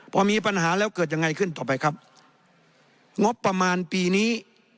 พอมีปัญหาแล้วเกิดยังไงขึ้นต่อไปครับงบประมาณปีนี้